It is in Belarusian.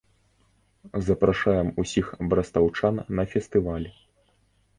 Запрашаем усіх брастаўчан на фестываль.